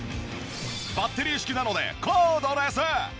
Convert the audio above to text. バッテリー式なのでコードレス。